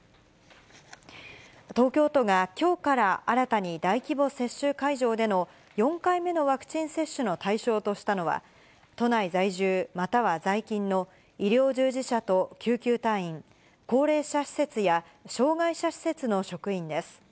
東京都がきょうから新たに大規模接種会場での４回目のワクチン接種の対象としたのは、都内在住、または在勤の医療従事者と救急隊員、高齢者施設や障がい者施設の職員です。